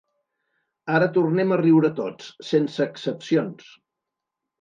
Ara tornem a riure tots, sense excepcions.